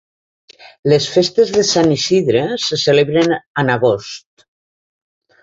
Les festes de Sant Isidre se celebren en agost.